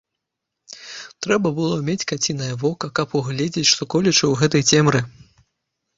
Трэба было мець кацінае вока, каб угледзець што-колечы ў гэтай цемры.